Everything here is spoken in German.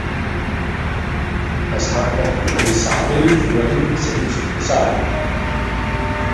Das hat auch die Kommissarin vorhin selbst gesagt.